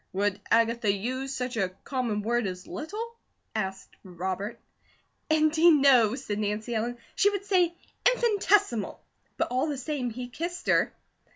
"Would Agatha use such a common word as 'little'?" asked Robert. "Indeed, no!" said Nancy Ellen. "She would say 'infinitesimal.' But all the same he kissed her."